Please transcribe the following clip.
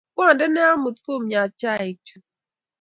Kwondene amut kumnyat chaikchu